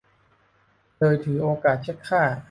เลยถือโอกาสเช็คค่า